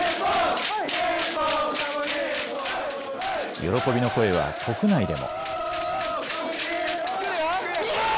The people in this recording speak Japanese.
喜びの声は国内でも。